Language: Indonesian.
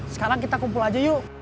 sekarang kita kumpul aja yuk